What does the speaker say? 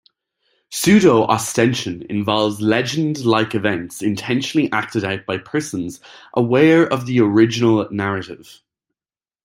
"Pseudo-ostension" involves legend-like events intentionally acted out by persons aware of the original narrative.